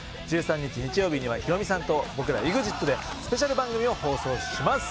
１３日日曜日にはヒロミさんと僕らＥＸＩＴでスペシャル番組を放送します。